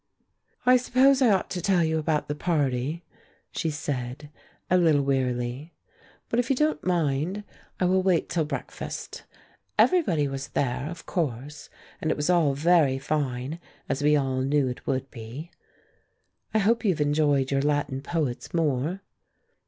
"I suppose I ought to tell you about the party," she said, a little wearily; "but if you don't mind, I will wait till breakfast. Everybody was there, of course, and it was all very fine, as we all knew it would be. I hope you've enjoyed your Latin poets more."